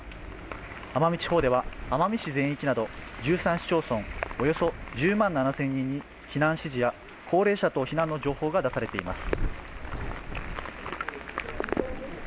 奄美地方では奄美市全域など１３市町村、１０万７０００人に避難指示や高齢者等避難の情報が出されています。